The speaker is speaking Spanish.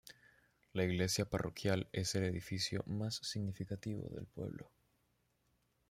La iglesia parroquial es el edificio más significativo del pueblo.